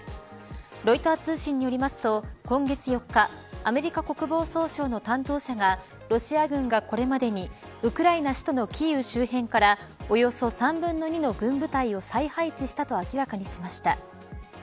ロイター通信によりますと今月４日アメリカ国防総省の担当者がロシア軍がこれまでにウクライナ首都のキーウ周辺からおよそ３分の２の軍部隊を再配置したと明らかにしました。